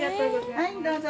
はいどうぞ。